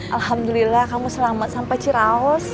alhamdulillah kamu selamat sampai ciraus